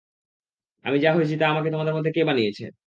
আমি যা হয়েছি তা আমাকে তোমাদের মধ্যে কে বানিয়েছে?